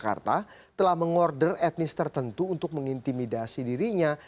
jakarta telah mengorder etnis tertentu untuk mengintimidasi dirinya